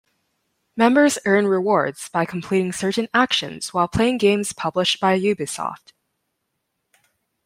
Members earn rewards by completing certain actions while playing games published by Ubisoft.